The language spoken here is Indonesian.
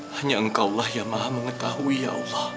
hanya engkau lah yang maha mengetahui ya allah